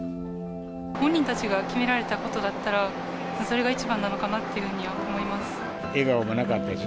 本人たちが決められたことだったら、それが一番なのかなっていうふうには思います。